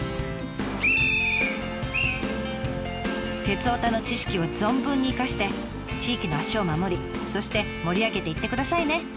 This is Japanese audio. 鉄オタの知識を存分に生かして地域の足を守りそして盛り上げていってくださいね。